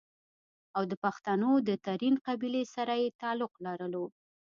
او دَپښتنو دَ ترين قبيلې سره ئې تعلق لرلو